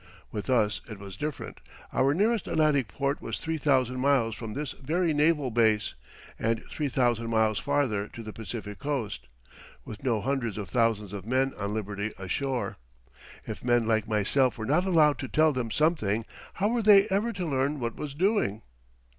With us it was different. Our nearest Atlantic port was 3,000 miles from this very naval base; and 3,000 miles farther to the Pacific coast, with no hundreds of thousands of men on liberty ashore. If men like myself were not allowed to tell them something, how were they ever to learn what was doing?